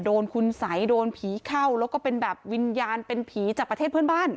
โดนคุณสัยโดนผีเข้าแล้วก็เป็นแบบวิญญาณเป็นผีจากประเทศเพื่อนบ้าน